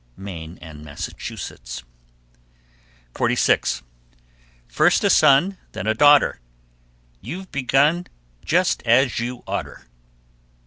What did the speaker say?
Maine and Massachusetts. 46. First a son, then a daughter, You've begun just as you oughter.